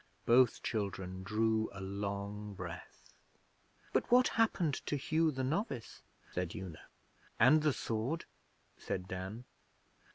Both children drew a long breath. 'But what happened to Hugh the novice?' said Una. 'And the sword?' said Dan.